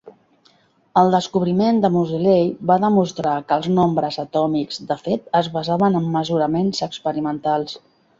El descobriment de Moseley va demostrar que els nombres atòmics, de fet, es basaven en mesuraments experimentals.